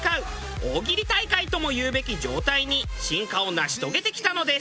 大喜利大会ともいうべき状態に進化を成し遂げてきたのです。